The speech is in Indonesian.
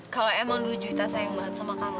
kalau emang dulu juita sayang banget sama kamu